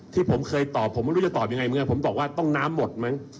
ที่ผมเคยตอบว่าต้องน้ำหมด